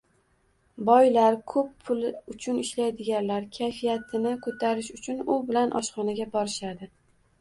Boylar, ko'p pul uchun ishlaydiganlar, kayfiyatini ko'tarish uchun u bilan oshxonaga borishadi